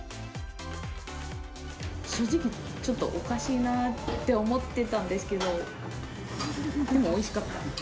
正直ちょっと、おかしいなって思ってたんですけど、でもおいしかった。